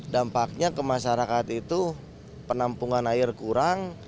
dampaknya ke masyarakat itu penampungan air kurang